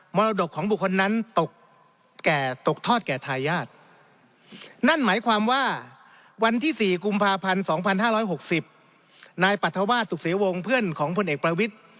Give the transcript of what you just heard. ภาพันธ์สองพันห้าร้อยหกสิบนายปรัฐวาสศุกษ์เสียวงเพื่อนของพลเอกประวิทย์